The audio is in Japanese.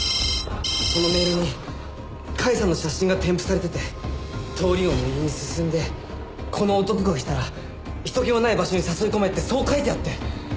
そのメールに甲斐さんの写真が添付されてて「通りを右に進んでこの男が来たら人気のない場所に誘い込め」ってそう書いてあって。